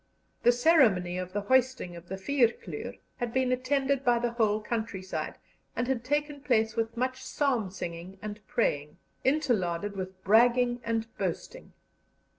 The ceremony of the hoisting of the Vierkleur had been attended by the whole countryside, and had taken place with much psalm singing and praying, interlarded with bragging and boasting.